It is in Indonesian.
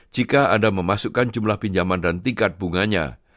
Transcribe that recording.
jika anda memasukkan jumlah pinjaman dan tingkat bunganya